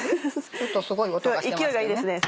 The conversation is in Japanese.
ちょっとすごい音がしてますけどね。